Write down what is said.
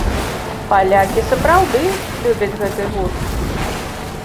Палякі сапраўды любяць гэты гурт.